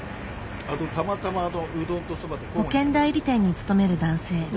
保険代理店に勤める男性。